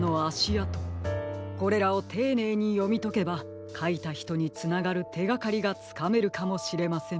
これらをていねいによみとけばかいたひとにつながるてがかりがつかめるかもしれません。